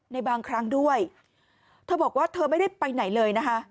ในบางครั้งด้วยเธอบอกว่าเธอไม่ได้ไปไหนเลยนะคะ